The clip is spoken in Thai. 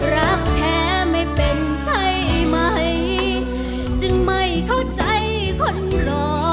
รักแท้ไม่เป็นใช่ไหมจึงไม่เข้าใจคนรอ